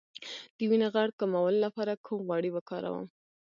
د وینې غوړ کمولو لپاره کوم غوړي وکاروم؟